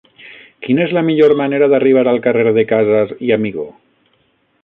Quina és la millor manera d'arribar al carrer de Casas i Amigó?